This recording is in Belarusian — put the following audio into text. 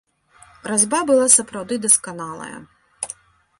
Разьба была сапраўды дасканалая.